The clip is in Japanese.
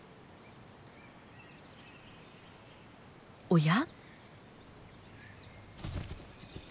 おや？